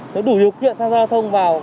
nếu đủ điều kiện tham gia giao thông vào